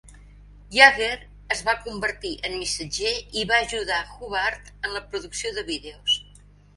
Yager es va convertir en missatger i va ajudar Hubbard en la producció de vídeos.